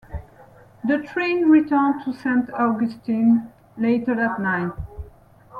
The train returned to Saint Augustine later that night.